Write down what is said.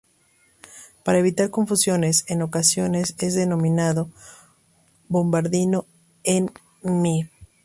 Para evitar confusiones, en ocasiones es denominado bombardino en "mi♭".